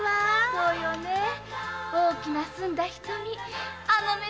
そうよね大きな澄んだ瞳あの目で見られると。